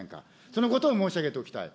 そのことを申し上げておきたい。